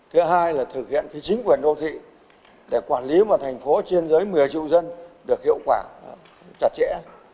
thứ hai là thực hiện chính quyền đô thị để quản lý một thành phố trên giới một mươi triệu dân được hiệu quả chặt chẽ